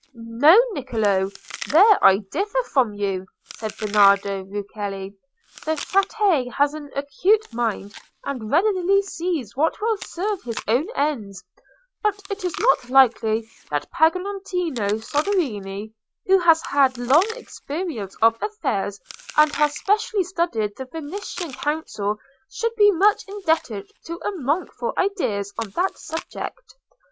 "No, Niccolò; there I differ from you," said Bernardo Ruccellai: "the Frate has an acute mind, and readily sees what will serve his own ends; but it is not likely that Pagolantonio Soderini, who has had long experience of affairs, and has specially studied the Venetian Council, should be much indebted to a monk for ideas on that subject.